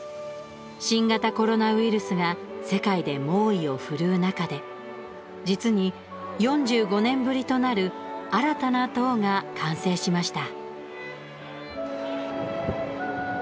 新型コロナウイルスが世界で猛威を振るう中で実に４５年ぶりとなる新たな塔が完成しました。